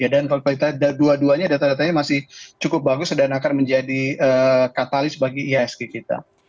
dan kalau kita lihat dua duanya data datanya masih cukup bagus dan akan menjadi katalis bagi ihsg kita